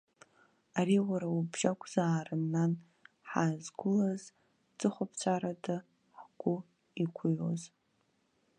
Ари уара убжьакәзаарын, нан, ҳаазқәылазк ҵыхәааԥҵәарада ҳгәы иқәыҩуаз.